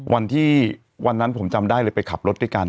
วันนั้นวันนั้นผมจำได้เลยไปขับรถด้วยกัน